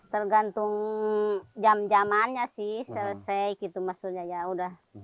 tergantung jam jamannya sih selesai gitu maksudnya ya udah